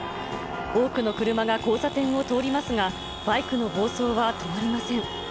多くの車が交差点を通りますが、バイクの暴走は止まりません。